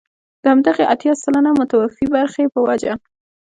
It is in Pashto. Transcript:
د همدغې اتيا سلنه متوفي برخې په وجه.